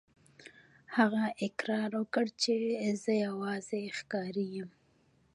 هغه اقرار وکړ چې زه یوازې ښکاري یم.